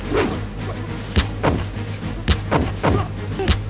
bagaimana dengan itu